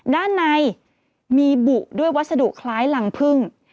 ด้านในมีบุด้วยวัสดุคล้ายรังพึ่ง